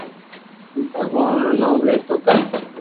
بڀگوان رو نوم ليتو ڪر